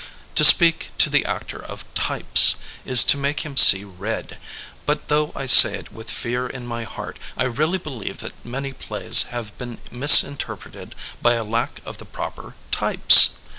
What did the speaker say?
To speak to the actor of "types," is to make him see red, but though I say it with fear in my heart, I really believe that many plays have been misinterpreted by a lack of the proper '' types.